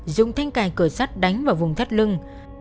dùng thanh cài cửa sắt đánh vào vùng thắt lưng